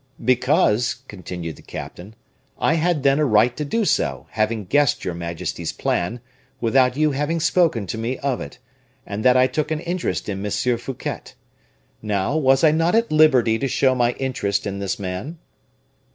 "Because," continued the captain, "I had then a right to do so, having guessed your majesty's plan, without you having spoken to me of it, and that I took an interest in M. Fouquet. Now, was I not at liberty to show my interest in this man?"